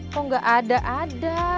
kok gak ada ada